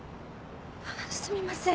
すみません